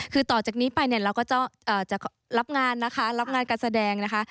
คือต่อจากนี้ไปเนี่ยเราก็จะรับงานนะคะรับงานการแสดงนะคะ